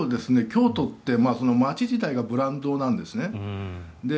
京都って街自体がブランドなんですね。